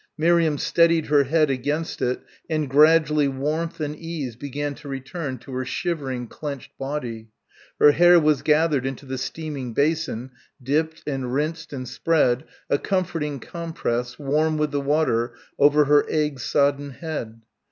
Miriam steadied her head against it and gradually warmth and ease began to return to her shivering, clenched body. Her hair was gathered into the steaming basin dipped and rinsed and spread, a comforting compress, warm with the water, over her egg sodden head.